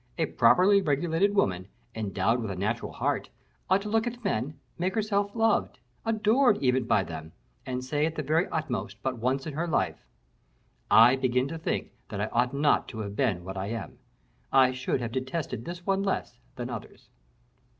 A properly regulated woman, endowed with a natural heart, ought to look at men, make herself loved adored, even, by them, and say at the very utmost but once in her life, 'I begin to think that I ought not to have been what I am, I should have detested this one less than others.